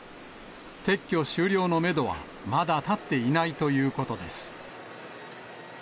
撤去終了のメドはまだ立っていないということです。